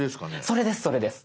それですそれです！